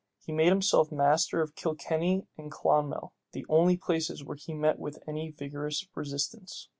He made himself master of Kilkenny and Clonmel, the only places where he met with any vigorous resistance.